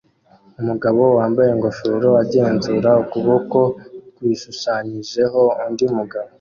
Umugabo wambaye ingofero agenzura ukuboko kwishushanyijeho undi mugabo